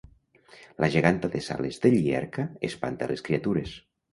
La geganta de Sales de Llierca espanta les criatures